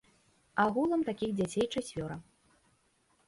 Агулам такіх дзяцей чацвёра.